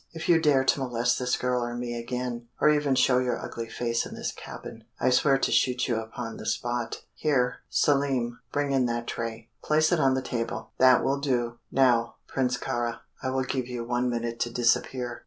If you dare to molest this girl or me again, or even show your ugly face in this cabin, I swear to shoot you upon the spot. Here, Selim, bring in that tray. Place it on the table; that will do. Now, Prince Kāra, I will give you one minute to disappear."